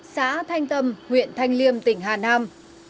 xã thanh tâm huyện thanh liêm tỉnh hà nam